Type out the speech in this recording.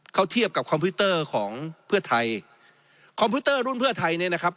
เขาเทียบกับคอมพิวเตอร์ของเพื่อไทยคอมพิวเตอร์รุ่นเพื่อไทยเนี่ยนะครับ